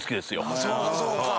あっそうかそうか。